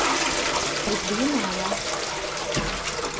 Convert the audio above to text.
Es biju mājās.